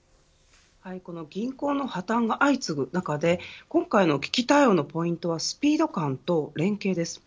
この銀行の破綻が相次ぐ中で今回の危機対応のポイントはスピード感と連携です。